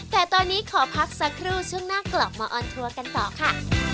แต่ตอนนี้ขอพักสักครู่ช่วงหน้ากลับมาออนทัวร์กันต่อค่ะ